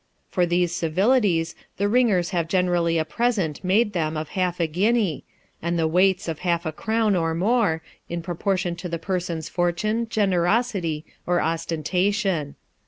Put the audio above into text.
For these civilities, the ringers have generally a present made them of half a guinea, and the waits of half a crown, or more, in proportion to the person's fortune, generosity, or ostentation.